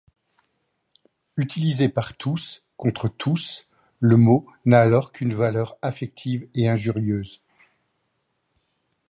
Utilisé par tous, contre tous, le mot n'a alors qu'une valeur affective et injurieuse.